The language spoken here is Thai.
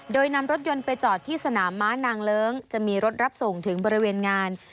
โดยนำรถยนต์ไปจอดที่สนามม้านางเลิ้งจะมีรถรับส่งถึงบริเวณงาน